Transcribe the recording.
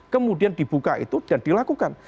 kemudian dibuka itu dan dilakukan